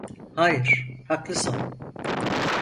Hayır, haklısın.